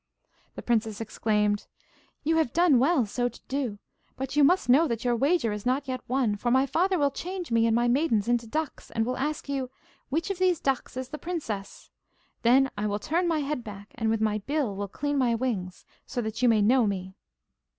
The princess exclaimed: 'You have done well so to do; but you must know that your wager is not yet won, for my father will change me and my maidens into ducks, and will ask you, "Which of these ducks is the princess?" Then I will turn my head back, and with my bill will clean my wings, so that you may know me.